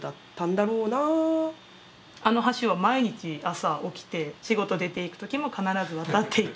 あの橋は毎日朝起きて仕事出ていく時も必ず渡っていく。